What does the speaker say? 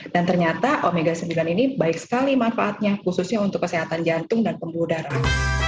ternyata omega sembilan ini baik sekali manfaatnya khususnya untuk kesehatan jantung dan pembuluh darah